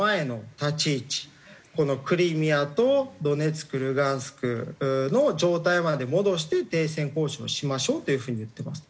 クリミアとドネツクルハンシクの状態まで戻して停戦交渉をしましょうという風に言ってます。